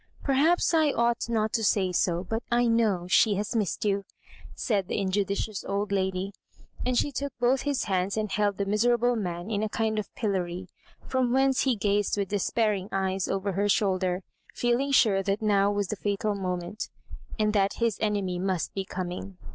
* Perhaps I ought not to say so, but I know she has missed you," said the injudicious old lady ; and she took both his hands and held the misera ble man in a kind of pillory, from whence he gazed with despairing eyes over her shoulder, feeling sure that now was the &tal moment, and that his enemy must be coming.